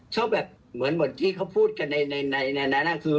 ชอบแบบเหมือนที่เขาพูดกันในนั้นคือ